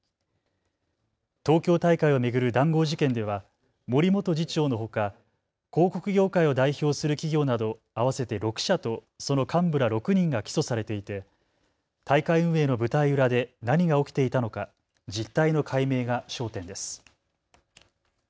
東京大会を巡る談合事件では森元次長のほか、広告業界を代表する企業など合わせて６社とその幹部ら６人が起訴されていて大会運営の舞台裏で何が起きていたのか実態の解明が焦点です。